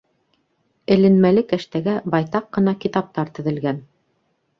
Эленмәле кәштәгә байтаҡ ҡына китаптар теҙелгән.